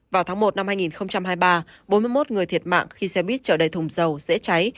vào tháng một năm hai nghìn hai mươi ba bốn mươi một người thiệt mạng khi xe buýt chở đầy thùng dầu dễ cháy